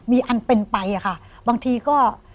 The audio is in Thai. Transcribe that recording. มีอันเป็นไปอะค่ะบางทีก็